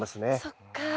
そっか。